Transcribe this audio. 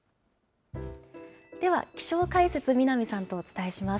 では気象解説、南さんとお伝えします。